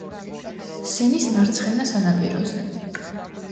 სენის მარცხენა სანაპიროზე.